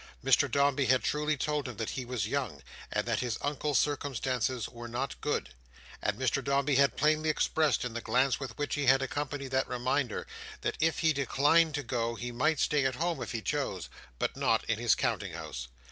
Mr Dombey had truly told him that he was young, and that his Uncle's circumstances were not good; and Mr Dombey had plainly expressed, in the glance with which he had accompanied that reminder, that if he declined to go he might stay at home if he chose, but not in his counting house.